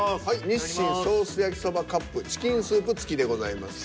日清ソース焼そばカップチキンスープ付きでございます。